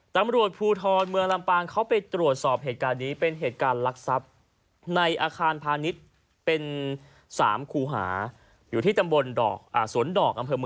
ทำไมถึงมีถุงยางที่ใช้แล้ว